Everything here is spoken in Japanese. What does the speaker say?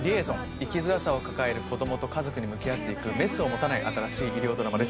生きづらさを抱える子どもと家族に向き合っていくメスを持たない新しい医療ドラマです。